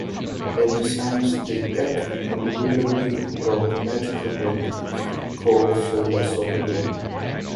Then he sings the egg a lullaby about a magical world called Solla Sollew.